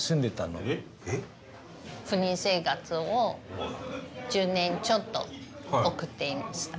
赴任生活を１０年ちょっと送っていました。